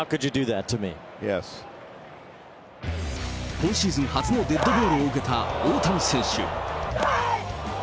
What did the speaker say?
今シーズン初のデッドボールを受けた大谷選手。